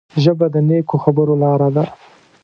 ژبه د نیکو خبرو لاره ده